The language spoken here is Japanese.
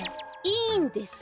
いいんです！